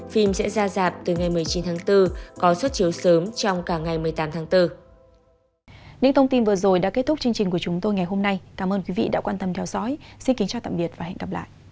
phim sẽ ra dạp từ ngày một mươi chín tháng bốn có xuất chiếu sớm trong cả ngày một mươi tám tháng bốn